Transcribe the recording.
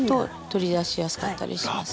取り出しやすかったりしますね。